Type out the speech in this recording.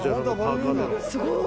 「すごい！」